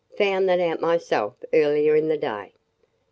"Found that out myself earlier in the day!"